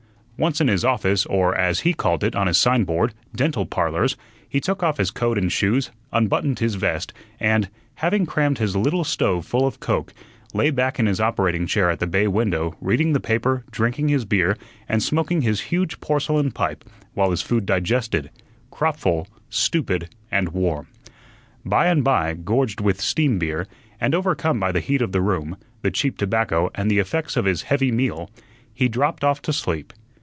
Once in his office, or, as he called it on his signboard, "Dental Parlors," he took off his coat and shoes, unbuttoned his vest, and, having crammed his little stove full of coke, lay back in his operating chair at the bay window, reading the paper, drinking his beer, and smoking his huge porcelain pipe while his food digested; crop full, stupid, and warm. By and by, gorged with steam beer, and overcome by the heat of the room, the cheap tobacco, and the effects of his heavy meal, he dropped off to sleep.